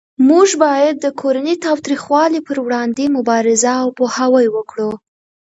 موږ باید د کورنۍ تاوتریخوالی پروړاندې مبارزه او پوهاوی وکړو